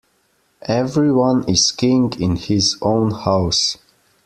Every one is king in his own house.